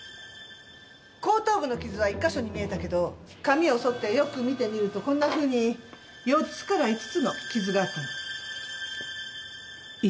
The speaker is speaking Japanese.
後頭部の傷は１カ所に見えたけど髪を剃ってよく見てみるとこんなふうに４つから５つの傷があったの。